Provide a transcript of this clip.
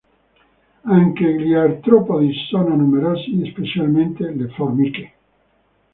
Anche gli artropodi sono numerosi, specialmente le formiche.